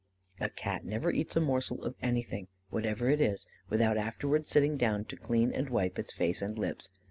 A Cat never eats a morsel of anything, whatever it is, without afterwards sitting down to clean and wipe its face and lips.